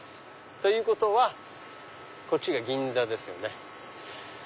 ということはこっちが銀座ですよね。